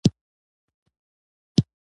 غورې لارښوونې له ما څخه نه سپموي.